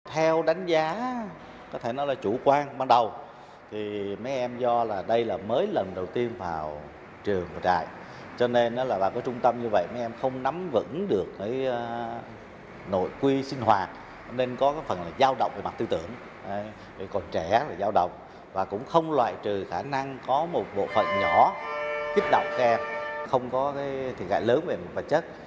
khả năng có một bộ phận nhỏ kích động kèm không có thiệt hại lớn về vật chất